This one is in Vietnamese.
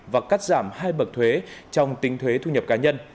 và cắt giảm hai bậc thuế trong tính thuế thu nhập cá nhân